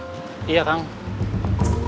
bikin kopi buat kang mus